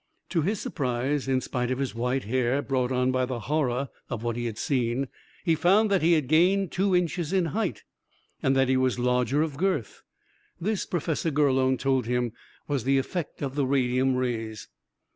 To his surprise, in spite of his white hair, brought on by the horror of what he had seen, he found that he had gained two inches in height, and that he was larger of girth. This, Professor Gurlone told him, was the effect of the radium rays.